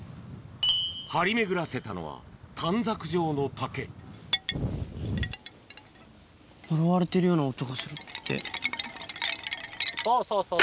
張り巡らせたのは、呪われてるような音がする、そうそうそう。